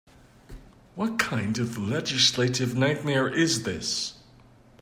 What kind of legislative nightmare is this?